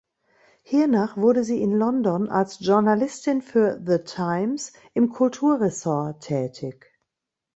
Hiernach wurde sie in London als Journalistin für The Times im Kulturressort tätig.